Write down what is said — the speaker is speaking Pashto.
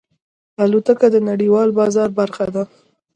الوتکه د نړیوال بازار برخه ده.